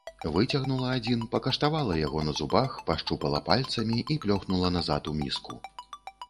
Выцягнула адзін, пакаштавала яго на зубах, пашчупала пальцамі і плёхнула назад у міску.